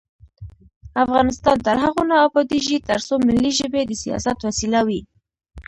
افغانستان تر هغو نه ابادیږي، ترڅو ملي ژبې د سیاست وسیله وي.